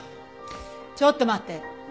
ちょっと待って。